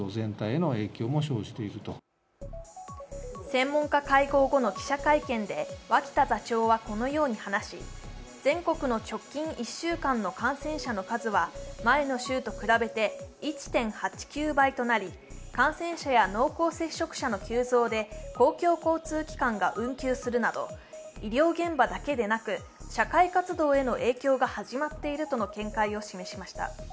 専門家会合後の記者会見で脇田座長はこのように話し全国の直近１週間の感染者の数は前の週と比べて１．８９倍となり、感染者や濃厚接触者の急増で公共交通機関が運休するなど医療現場だけでなく、社会活動への影響が始まっているとの見解を示しました。